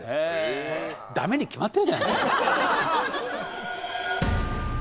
ダメに決まってるじゃないですか。